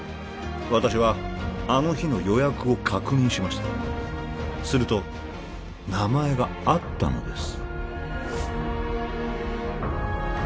私はあの日の予約を確認しましたすると名前があったのです